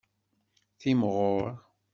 Timɣur.